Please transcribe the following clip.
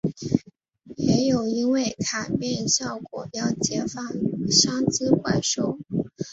也有因为卡片效果要解放三只怪兽。